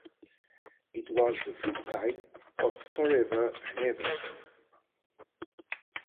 It was the flip side of Forever and Ever.